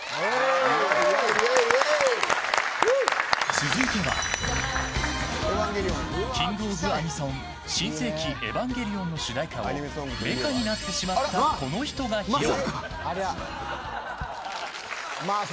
続いてはキング・オブ・アニソン「新世紀エヴァンゲリオン」の主題歌をメカになってしまったこの人が披露。